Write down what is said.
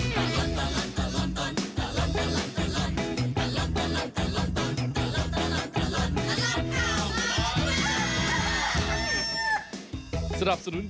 โปรดติดตามตอนต่อไป